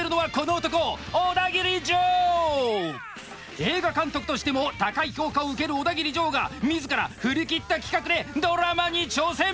映画監督としても高い評価を受けるオダギリジョーが自ら振り切った企画でドラマに挑戦！